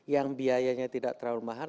yang biayanya tidak terlalu mahal